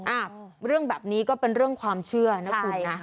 อ่ะเรื่องแบบนี้ก็เป็นเรื่องความเชื่อนะคุณนะ